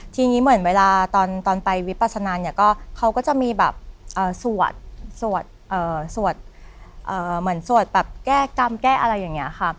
ทีนี้เหมือนเวลาตอนไปวิปสนาเขาก็จะมีแบบสวดแก้อาหารบาลของครม